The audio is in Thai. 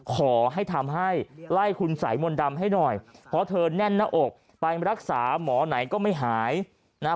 ขอให้ทำให้ไล่คุณสายมนต์ดำให้หน่อยเพราะเธอแน่นหน้าอกไปรักษาหมอไหนก็ไม่หายนะฮะ